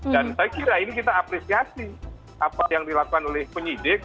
dan saya kira ini kita apresiasi apa yang dilakukan oleh penyidik